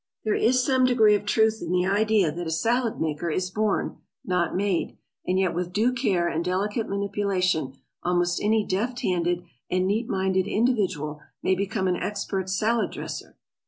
There is some degree of truth in the idea that a salad maker is born, not made, and yet with due care and delicate manipulation, almost any deft handed and neat minded individual may become an expert salad dresser.